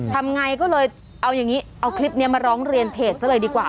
ทำไงก็เลยเอาอย่างนี้เอาคลิปนี้มาร้องเรียนเพจซะเลยดีกว่า